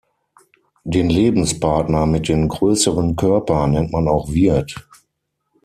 Den Lebenspartner mit dem größeren Körper nennt man auch Wirt.